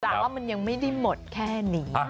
แต่ว่ามันยังไม่ได้หมดแค่นี้